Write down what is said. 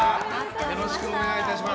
よろしくお願いします。